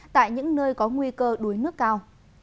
tại những nơi có nguy cơ đuối nước cao